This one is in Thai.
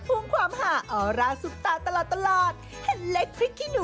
คุณพอเนี่ยกลันพรับไม่ไหว